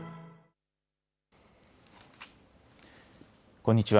こんにちは。